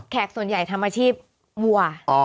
ส่วนใหญ่ทำอาชีพวัว